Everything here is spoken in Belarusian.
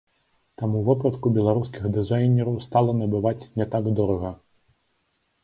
Таму вопратку беларускіх дызайнераў стала набываць не так дорага.